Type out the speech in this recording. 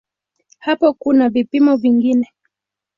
Hapo kuna vipimo vingine.